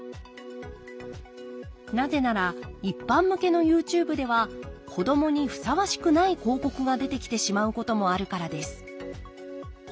なぜなら一般向けのＹｏｕＴｕｂｅでは子どもにふさわしくない広告が出てきてしまうこともあるからです。